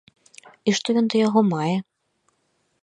І што ён да яго мае?